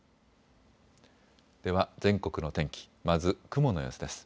では全国の天気、まず雲の様子です。